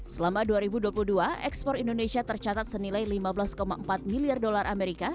selama dua ribu dua puluh dua ekspor indonesia tercatat senilai lima belas empat miliar dolar amerika